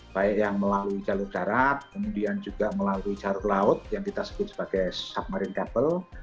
baik yang melalui jalur darat kemudian juga melalui jalur laut yang kita sebut sebagai submarin capable